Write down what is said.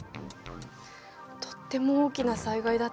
とっても大きな災害だったのね。